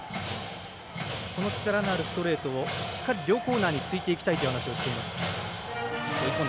力のあるストレートをしっかり両コーナーについていきたいと話していました。